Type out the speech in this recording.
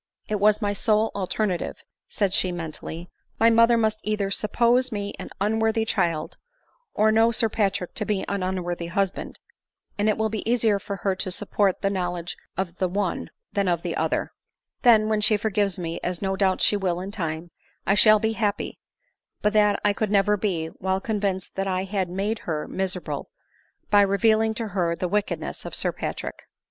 "It was my sole alternative," said she mentally; " my mother must either suppose me an unworthy child, or know Sir Patrick to be an unworthy husband ; and it will be easier for her to support the knowledge of the one than of the other ; then, when she forgives me, as no doubt she will in time, I shall be happy ; but that 1 could never be, while convinced that I had made hex miserable by revealing to her the wickedness of Sir Patrick."